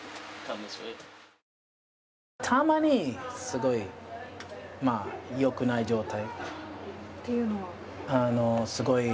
たまに、すごい、よくない状態。